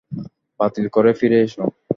বাতিল করে ফিরে এসো।